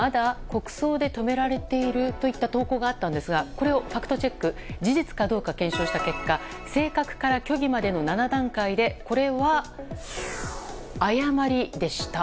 国葬で止められている？といった投稿があったんですがこれをファクトチェック事実かどうか検討した結果正確から虚偽までの７段階でこれは誤りでした。